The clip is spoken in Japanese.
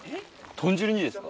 ・豚汁にですか？